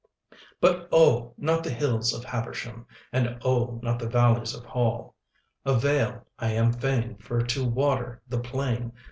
But oh! not the hills of Habersham, And oh! not the valleys of Hall Avail; I am fain for to water the plain.